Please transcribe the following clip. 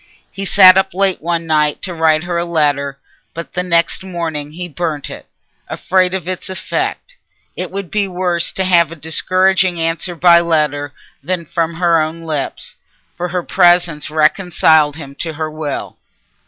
He sat up late one night to write her a letter, but the next morning he burnt it, afraid of its effect. It would be worse to have a discouraging answer by letter than from her own lips, for her presence reconciled him to her will.